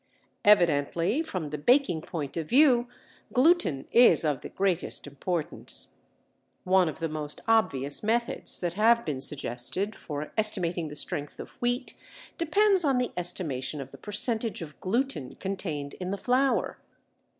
Evidently from the baking point of view gluten is of the greatest importance. One of the most obvious methods that have been suggested for estimating the strength of wheat depends on the estimation of the percentage of gluten contained in the flour.